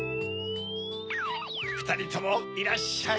ふたりともいらっしゃい。